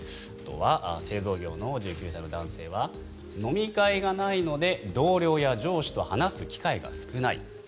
あとは製造業の１９歳の男性は飲み会がないので同僚や上司と話す機会が少ない。